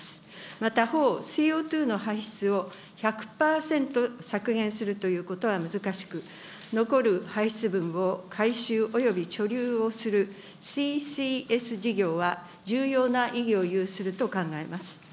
また他方、ＣＯ２の排出を１００％削減するということは難しく、残る排出分を回収および貯留をするＣＣＳ事業は重要な意義を有すると考えます。